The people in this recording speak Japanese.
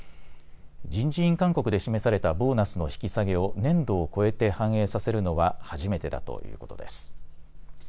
人事院勧告で示されたボーナスの引き下げを年度を超えて反映させるのは初めてだということです。